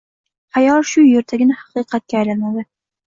Xayol shu yerdagina haqiqatga aylanadi.